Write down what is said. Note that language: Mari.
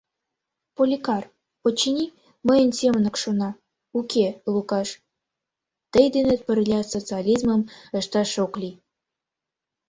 Поликар, очыни, мыйын семынак шона: «Уке, Лукаш, тый денет пырля социализмым ышташ ок лий».